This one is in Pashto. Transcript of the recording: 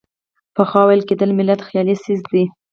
پخوا ویل کېدل ملت خیالي څیز دی.